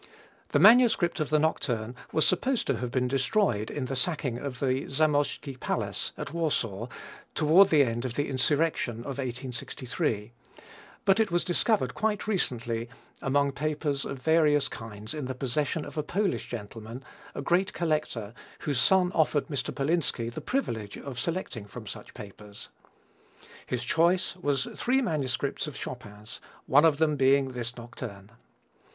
The manuscript of the nocturne was supposed to have been destroyed in the sacking of the Zamojski Palace, at Warsaw, toward the end of the insurrection of 1863, but it was discovered quite recently among papers of various kinds in the possession of a Polish gentleman, a great collector, whose son offered Mr. Polinski the privilege of selecting from such papers. His choice was three manuscripts of Chopin's, one of them being this nocturne.